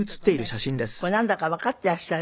これなんだかわかってらっしゃる？